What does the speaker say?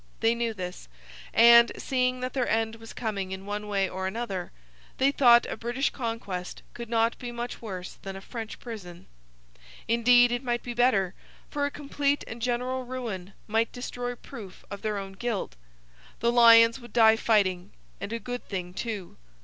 They knew this; and, seeing that their end was coming in one way or another, they thought a British conquest could not be much worse than a French prison; indeed, it might be better, for a complete and general ruin might destroy proof of their own guilt. The lions would die fighting and a good thing too!